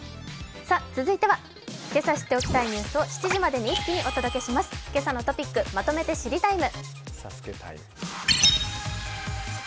続いては、けさ知っておきたいニュースを７時まで一気にお届けします、「けさのトピックまとめて知りＴＩＭＥ，」。